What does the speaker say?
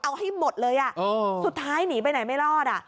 เอาให้หมดเลยอ่ะสุดท้ายหนีไปไหนไม่รอดอ่ะ